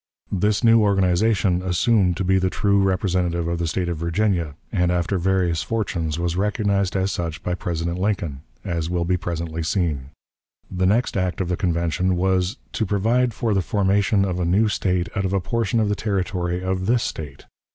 This new organization assumed to be the true representative of the State of Virginia, and, after various fortunes, was recognized as such by President Lincoln, as will be presently seen. The next act of the Convention was "to provide for the formation of a new State out of a portion of the territory of this State."